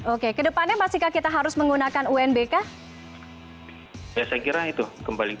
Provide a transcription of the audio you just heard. oke kedepannya pasti kah kita harus menggunakan unbk